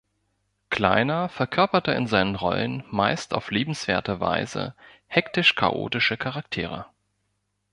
Kleiner verkörperte in seinen Rollen meist auf liebenswerte Weise hektisch-chaotische Charaktere.